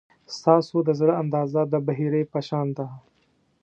ستاسو د زړه اندازه د بحیرې په شان ده.